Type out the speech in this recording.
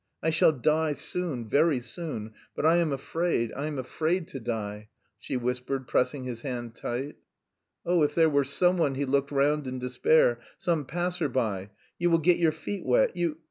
I shall die soon, very soon, but I am afraid, I am afraid to die...." she whispered, pressing his hand tight. "Oh, if there were someone," he looked round in despair. "Some passer by! You will get your feet wet, you...